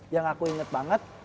yang aku inget banget